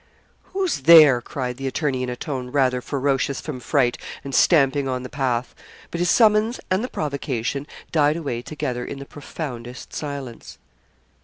'Who's there?' cried the attorney, in a tone rather ferocious from fright, and stamping on the path. But his summons and the provocation died away together in the profoundest silence.